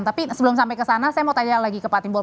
tapi sebelum sampai ke sana saya mau tanya lagi ke pak timbul